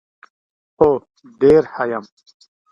هو ډېره ښه یم .